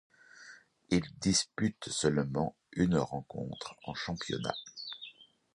Il dispute seulement une rencontre en championnat.